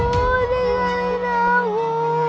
bu dengerin aku